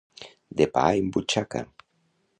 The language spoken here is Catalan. De pa en butxaca.